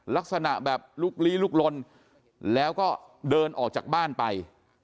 ลักษณะแบบลุกลี้ลุกลนแล้วก็เดินออกจากบ้านไป